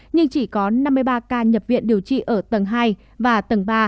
nhưng chỉ có năm mươi ba ca nhập viện điều trị ở tầng hai và tầng ba